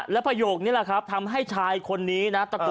และประโยคนี้แหละครับทำให้ชายคนนี้นะ